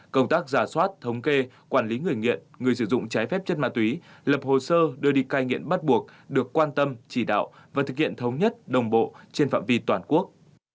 công tác giả soát thống kê quản lý người nghiện người sử dụng trái phép chất ma túy lập hồ sơ đưa đi cai nghiện bắt buộc được quan tâm chỉ đạo và thực hiện thống nhất đồng bộ trên phạm vi toàn quốc